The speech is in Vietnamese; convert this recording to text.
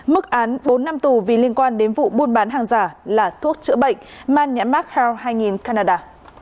mức án bốn năm tù vì liên quan đến vụ buôn bán hàng giả là thuốc chữa bệnh man nhãn mark howe hai nghìn canada